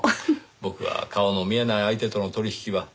僕は顔の見えない相手との取引は苦手なので。